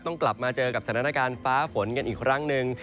ต้องกลับมาเจอกับสถานการณ์ฟ้าฝนกันอีกครั้งหนึ่ง